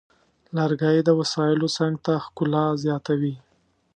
لرګی د وسایلو څنګ ته ښکلا زیاتوي.